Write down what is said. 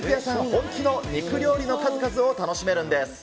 本気の肉料理の数々を楽しめるんです。